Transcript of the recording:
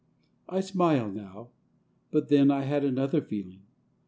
I smile now ... but then I had another feeling.